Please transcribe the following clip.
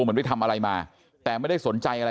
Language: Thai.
เหมือนไปทำอะไรมาแต่ไม่ได้สนใจอะไร